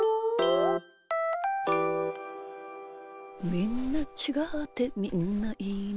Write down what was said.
「みんなちがってみんないいな」